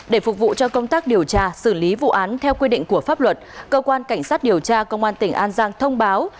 để phục vụ cho công tác điều tra xử lý vụ án theo quy định của pháp luật cơ quan cảnh sát điều tra công an tỉnh an giang thông báo